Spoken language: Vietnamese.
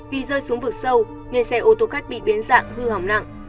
vì rơi xuống vực sâu nên xe ô tô khách bị biến dạng hư hỏng nặng